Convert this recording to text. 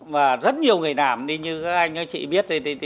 và rất nhiều người làm như các anh các chị biết